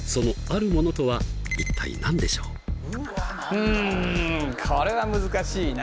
うんこれは難しいな。